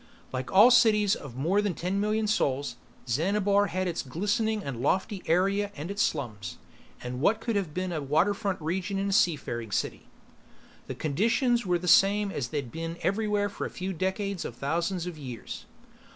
Like all cities of more than ten million souls, Xanabar had its glistening and lofty area and its slums and what would have been a waterfront region in a seafaring city. The conditions were the same as they'd been everywhere for a few decades of thousands of years.